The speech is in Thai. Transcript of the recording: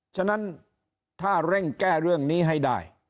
ฉะนั้นถ้าเร่งแก้เรื่องนี้ให้ได้